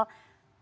kasus demam kuning